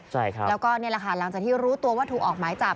แล้วก็นี่แหละหลังจากที่รู้ตัวว่าถูกออกไม้จับ